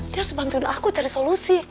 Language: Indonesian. dia harus bantuin aku cari solusi